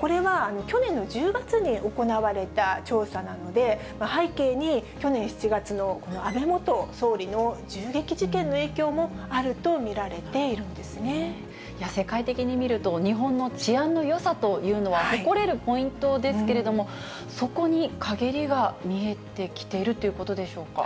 これは去年の１０月に行われた調査なので、背景に去年７月のこの安倍元総理の銃撃事件の影響もあると見られ世界的に見ると、日本の治安のよさというのは誇れるポイントですけれども、そこに陰りが見えてきているということでしょうか。